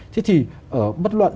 thế thì bất luận